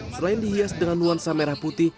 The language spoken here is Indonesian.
selain dihias dengan nuansa merah putih